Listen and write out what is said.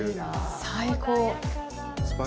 最高。